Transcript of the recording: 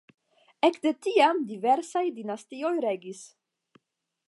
Ekde tiam diversaj dinastioj regis.